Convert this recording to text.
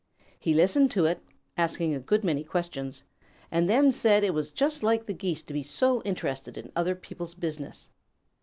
He listened to it, asking a good many questions, and then said that it was just like Geese to be so interested in other people's business.